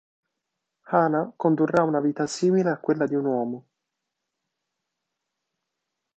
Hana condurrà una vita simile a quella di un uomo.